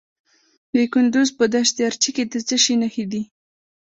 د کندز په دشت ارچي کې د څه شي نښې دي؟